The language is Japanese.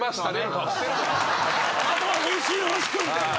「後は編集よろしく」みたいな。